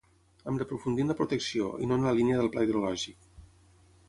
Hem d’aprofundir en la protecció, i no en la línia del pla hidrològic.